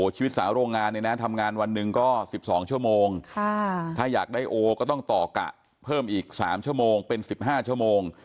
ชีวิตสาวโรงงานเนี่ยนะทำงานวันหนึ่งก็๑๒ชั่วโมงถ้าอยากได้โอก็ต้องต่อกะเพิ่มอีก๓ชั่วโมงเป็น๑๕ชั่วโมง